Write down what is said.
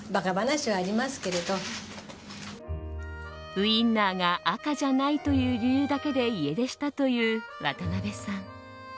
ウインナーが赤じゃないという理由だけで家出したという渡辺さん。